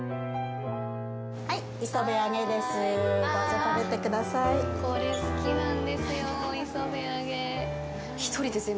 はい、磯べ揚げです。